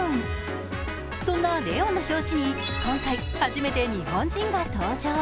そんな「ＬＥＯＮ」の表紙に今回、初めて日本人が登場。